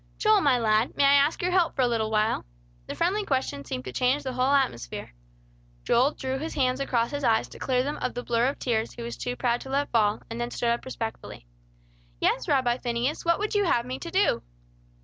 "Joel, my lad, may I ask your help for a little while?" The friendly question seemed to change the whole atmosphere. Joel drew his hands across his eyes to clear them of the blur of tears he was too proud to let fall, and then stood up respectfully. "Yes, Rabbi Phineas, what would you have me to do?"